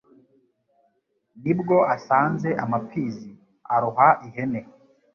Ni bwo asanze amapfizi aroha ihene